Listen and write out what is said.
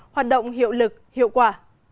hoạt động hiệu lực hiệu quả